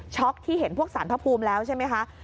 ที่เห็นพวกสารพระภูมิแล้วใช่ไหมคะ